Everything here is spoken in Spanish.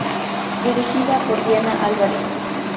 Dirigida por Diana Álvarez.